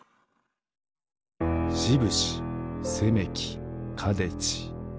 しぶしせめきかでち。